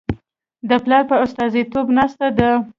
د پلار په استازیتوب ناسته ده.